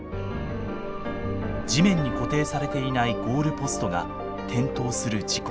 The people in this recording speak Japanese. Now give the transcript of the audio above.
地面に固定されていないゴールポストが転倒する事故。